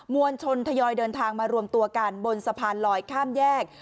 วลชนทยอยเดินทางมารวมตัวกันบนสะพานลอยข้ามแยก